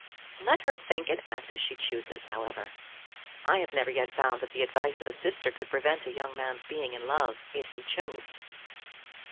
Let her think and act as she chooses, however. I have never yet found that the advice of a sister could prevent a young man's being in love if he chose.